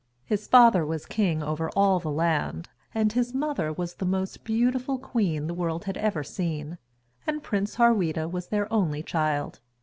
His father was king over all the land, and his mother was the most beautiful queen the world had ever seen, and Prince Harweda was their only child.